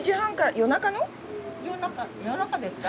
夜中夜中ですか？